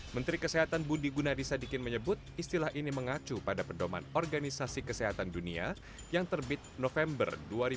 menteri kesehatan budi gunadisadikin menyebut istilah ini mengacu pada pedoman organisasi kesehatan dunia yang terbit november dua ribu dua puluh